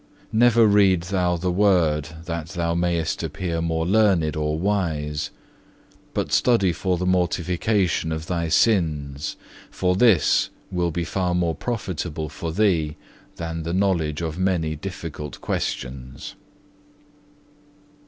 Never read thou the word that thou mayest appear more learned or wise; but study for the mortification of thy sins, for this will be far more profitable for thee than the knowledge of many difficult questions.